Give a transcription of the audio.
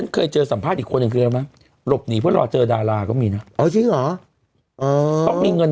ไม่คือเพราะงั้นก็ไม่ต้องซื้อทัวร์สิก็นั่งเครื่องบินไปเองสิ